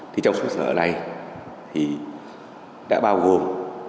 thì trong số nợ này thì đã bao gồm